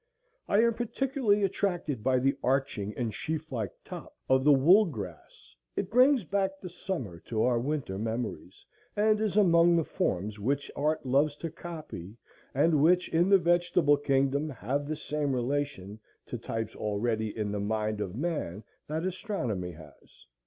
I am particularly attracted by the arching and sheaf like top of the wool grass; it brings back the summer to our winter memories, and is among the forms which art loves to copy, and which, in the vegetable kingdom, have the same relation to types already in the mind of man that astronomy has.